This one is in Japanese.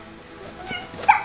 痛っ！